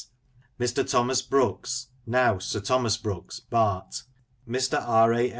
; Mr. Thomas Brooks (now Sir Thomas Brooks, Bart) ; Mr. R. A.